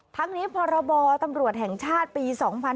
ทั้งนี้พรบตำรวจแห่งชาติปี๒๕๕๙